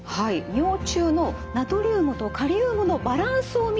尿中のナトリウムとカリウムのバランスを見る指標なんです。